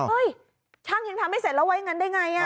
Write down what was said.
เอ้ยช่างยังทำไม่เสร็จแล้วไว้งั้นได้ไงอ่ะ